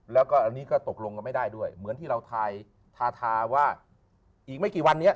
แล้วก็อันนี้ก็ตกลงกันไม่ได้ด้วยเหมือนที่เราทายทาทาว่าอีกไม่กี่วันนี้